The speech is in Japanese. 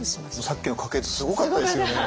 さっきの家系図すごかったですよね。